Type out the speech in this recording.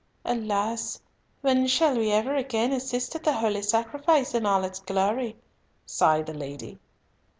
"Alas! when shall we ever again assist at the Holy Sacrifice in all its glory!" sighed the lady.